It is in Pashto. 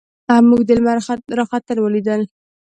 موږ د لمر راختل ولیدل.